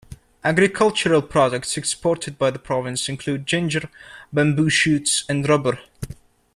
Agricultural products exported by the province include ginger, bamboo shoots, and rubber.